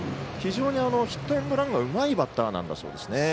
非常にヒットエンドランがうまいバッターなんだそうですね。